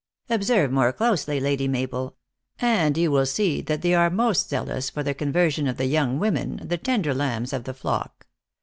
" Observe more closely, Lady Mabel, and you will see that they are most zea lous for the conversion of the young women, the tender lambs of the flock.